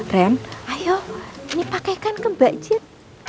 ren ayo ini pakaikan ke mbak jen